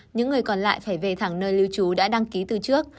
những người còn lại phải về thẳng nơi lưu trú đã đăng ký từ trước